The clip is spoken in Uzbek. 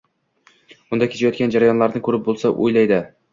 unda kechayotgan jarayonlarni ko‘rib bo‘lsa», – o‘yladi